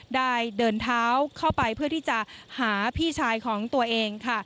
ได้เดินเท้าเข้าไปเพื่อที่จะหาพี่ชายของตัวเองค่ะ